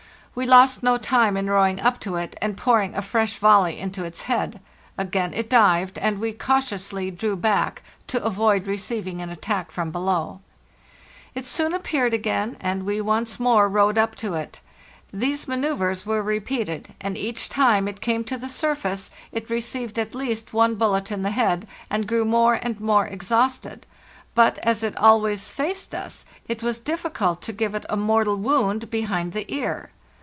We lost no time in rowing up to it and pouring a fresh volley into its head. Again it dived, and we cautiously drew back, to avoid receiving an attack from below. _ It soon appeared again, and we once more rowed up to it. These manceuvres were repeated, and each time it came to the surface it received at least one bullet in the head, and grew more and more exhausted; but, as it always faced us, it was difficult to give it a mortal wound behind the ear.